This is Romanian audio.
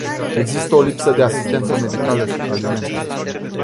Există o lipsă de asistență medicală și alimente.